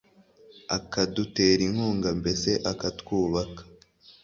akadutera inkunga, mbese 'akatwubaka